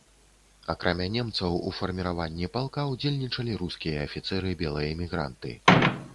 Акрамя немцаў у фармаванні палка ўдзельнічалі рускія афіцэры-белаэмігранты.